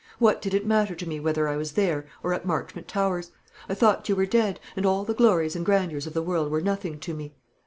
What did it matter to me whether I was there or at Marchmont Towers? I thought you were dead, and all the glories and grandeurs of the world were nothing to me.